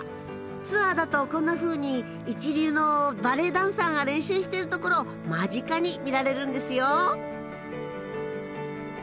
ツアーだとこんなふうに一流のバレエダンサーが練習しているところを間近に見られるんですよ。